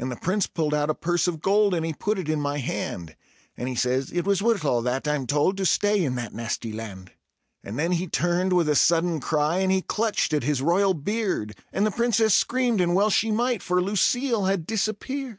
And the Prince pulled out a purse of gold, and he put it in my hand; And he says: "It was worth all that, I'm told, to stay in that nasty land." And then he turned with a sudden cry, and he clutched at his royal beard; And the Princess screamed, and well she might for Lucille had disappeared.